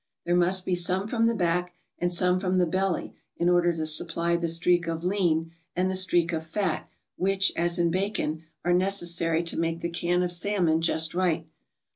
There must be some from the back and some from the belly in order to supply the streak of lean and the streak of fat which, as in bacon, are necessary to make the can of salmon just right.